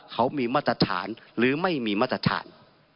เขามีมาตรฐานหรือไม่มีมาตรฐาน